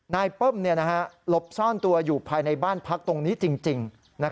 เปิ้มหลบซ่อนตัวอยู่ภายในบ้านพักตรงนี้จริง